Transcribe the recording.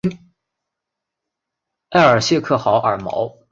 埃尔谢克豪尔毛。